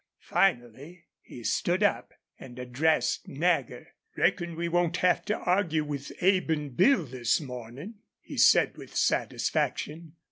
Finally he stood up and addressed Nagger. "Reckon we won't have to argue with Abe an' Bill this mornin'," he said, with satisfaction.